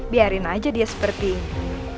biarin aja dia seperti ini